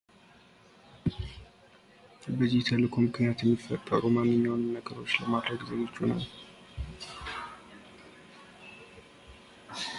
በናሳ የጠፈር ምርምር ተልእኮ እይታ ውስጥ የገባው አስትሮይድ ድንቅነሽ የሚል ስያሜ ተሰጠው።